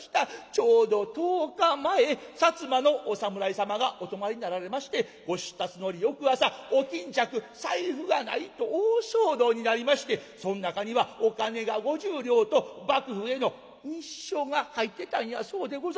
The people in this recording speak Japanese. ちょうど１０日前摩のお侍様がお泊まりになられましてご出立の折翌朝お巾着財布がないと大騒動になりましてそん中にはお金が５０両と幕府への密書が入ってたんやそうでございます。